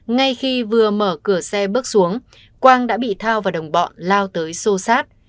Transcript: ngay khi vừa mở cửa xe bước xuống quang đã bị thao và đồng bọn lao tới sô sát